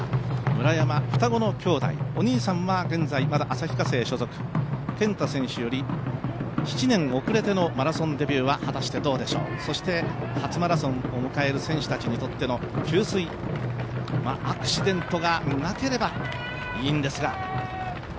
村山、双子のきょうだい、お兄さんは現在まだ旭化成所属、けんた選手より７年遅れて果たしてどうでしょう、そして初マラソンを迎える選手たちにとっての給水、アクシデントがなければいいんですが。